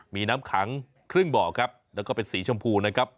มีน้ำขังครึ่งบ่อครับแล้วก็เป็นสีชมพูนะครับ